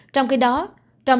trong khi đó